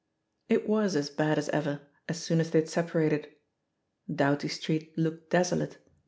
It was as bad as ever as soon as they had sep arated. Doughty Street looked desolate.